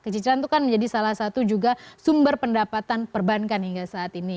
kecicilan itu kan menjadi salah satu juga sumber pendapatan perbankan hingga saat ini